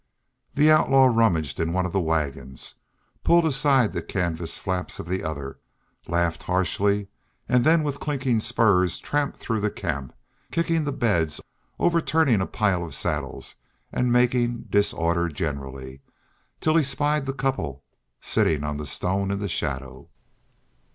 The outlaw rummaged in one of the wagons, pulled aside the canvas flaps of the other, laughed harshly, and then with clinking spurs tramped through the camp, kicking the beds, overturning a pile of saddles, and making disorder generally, till he spied the couple sitting on the stone in the shadow.